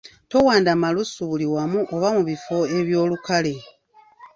Towanda malusu buli wamu oba mu bifo eby’olukale.